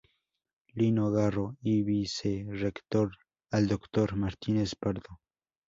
Lino Garro y Vicerrector al Doctor Martínez Pardo.